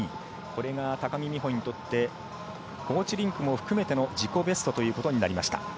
これが高木美帆にとって高地リンクも含めての自己ベストということになりました。